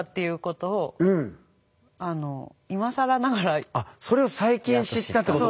あんまあっそれを最近知ったってことか。